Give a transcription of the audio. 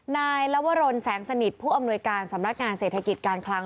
ลวรนแสงสนิทผู้อำนวยการสำนักงานเศรษฐกิจการคลัง